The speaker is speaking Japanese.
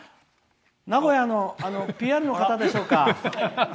名古屋のＰＲの方でしょうか？